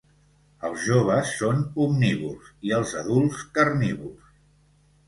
Els joves són omnívors i els adults carnívors.